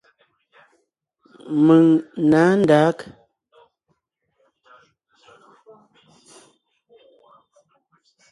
Mèŋ nǎ ndǎg.